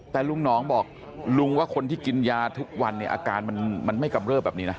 แต่ลุงหนองบอกลุงว่าคนที่กินยาทุกวันเนี่ยอาการมันไม่กำเริบแบบนี้นะ